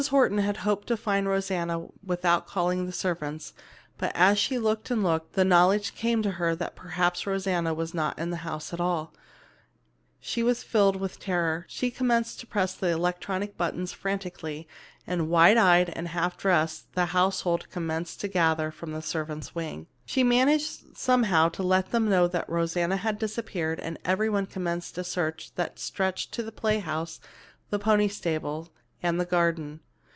Horton had hoped to find Rosanna without calling the servants, but as she looked and looked, and the knowledge came to her that perhaps Rosanna was not in the house at all, she was filled with terror. She commenced to press the electric buttons frantically and, wide eyed and half dressed, the household commenced to gather from the servants' wing. She managed somehow to let them know that Rosanna had disappeared, and everyone commenced a search that stretched to the playhouse, the pony stable and the garden.